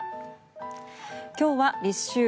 今日は立秋。